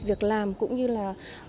việc làm cũng như là